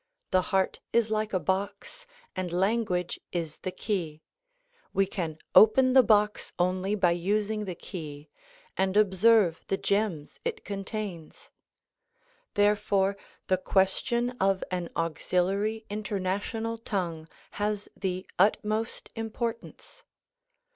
The heart is like a box and language is the key. We can open the box only by using the key, and observe the gems it contains. Therefore the question of an auxiliary international tongue has the utmost importance.